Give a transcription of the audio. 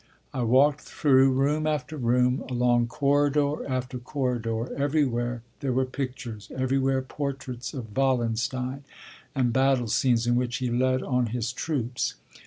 I walked through room after room, along corridor after corridor; everywhere there were pictures, everywhere portraits of Wallenstein, and battle scenes in which he led on his troops.